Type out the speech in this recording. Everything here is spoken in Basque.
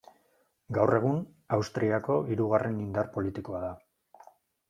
Gaur egun, Austriako hirugarren indar politikoa da.